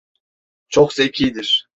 Çok zekidir.